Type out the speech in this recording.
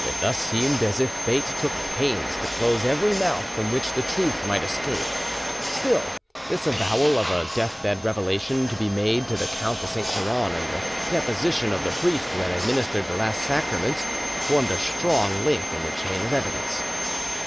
It thus seemed as if fate took pains to close every mouth from which the truth might escape. Still, this avowal of a deathbed revelation to be made to the Count de Saint Geran and the deposition of the priest who had administered the last sacraments formed a strong link in the chain of evidence.